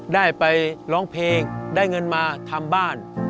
ได้ไปร้องเพลงได้เงินมาทำบ้าน